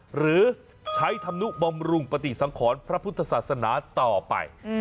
หรือใช้ธรรมนุบำรุงปฏิสังขรพระพุทธศาสนาต่อไป